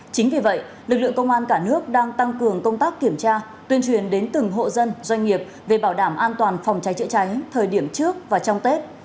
chính vì vậy lực lượng công an cả nước đang tăng cường công tác kiểm tra tuyên truyền đến từng hộ dân doanh nghiệp về bảo đảm an toàn phòng cháy chữa cháy thời điểm trước và trong tết